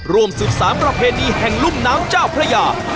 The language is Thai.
ร่วมสืบสารประเพณีแห่งลุ่มน้ำเจ้าพระยา